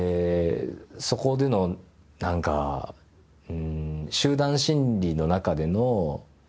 そこでの何か集団心理の中での。